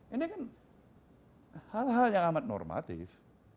ini kan hal hal yang amat normatif